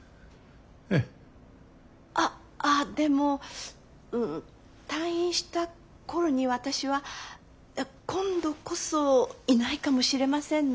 あっあでも退院した頃に私は今度こそいないかもしれませんので。